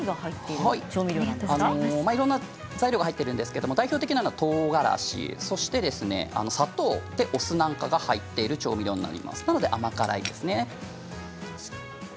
いろんな材料が入ってるんですが、代表的なのはとうがらしそして砂糖、お酢なんかが入ってる調味料になりますので甘辛いですね。